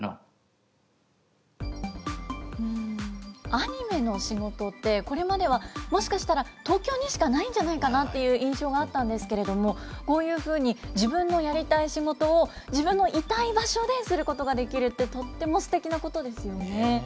アニメの仕事って、これまではもしかしたら東京にしかないんじゃないかなっていう印象があったんですけれども、こういうふうに自分のやりたい仕事を自分のいたい場所ですることができるって、とってもすてきなことですよね。